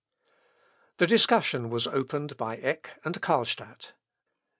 The discussion was opened by Eck and Carlstadt.